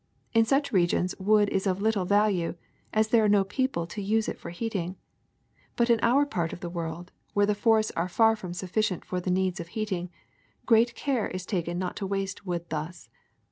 In such regions wood is of little value, as there are no people to use it for heating. But in our part of the world, where the forests are far from sufficient for the needs of heating, great care is taken not to waste wood thus.